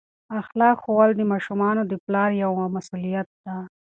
اخلاق ښوول د ماشومانو د پلار یوه مسؤلیت ده.